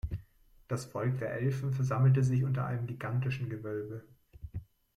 Das Volk der Elfen versammelte sich unter einem gigantischen Gewölbe.